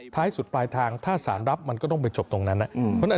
ท้ายสุดปลายทางถ้าสารรับมันก็ต้องไปจบตรงนั้น